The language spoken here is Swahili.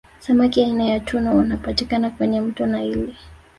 Samaki aina ya tuna wanapatikana kwenye mto naili